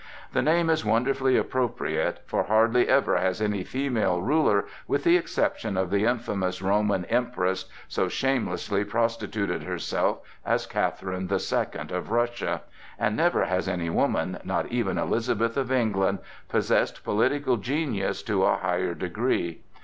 The name is wonderfully appropriate, for hardly ever has any female ruler, with the exception of the infamous Roman Empress, so shamelessly prostituted herself as Catherine the Second of Russia, and never has any woman, not even Elizabeth of England, possessed political genius to a higher degree.